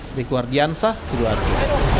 dari keluarga ansah sidoarjo